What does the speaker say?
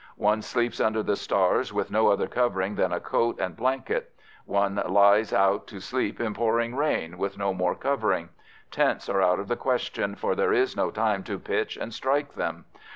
One sleeps under the stars, with no other covering than a coat and blanket; one lies out to sleep in pouring rain, with no more covering; tents are out of the question, for there is no time to pitch and strike them.